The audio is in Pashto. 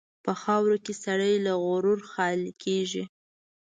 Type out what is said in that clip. په خاوره کې سړی له غروره خالي کېږي.